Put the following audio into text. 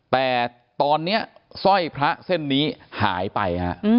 แต่ตอนนี้สร้อยพระเส้นนี้หายไปฮะ